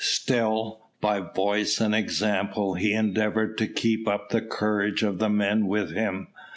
Still, by voice and example, he endeavoured to keep up the courage of the men with him.